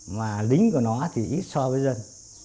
mà lính của nó thì ít so với dân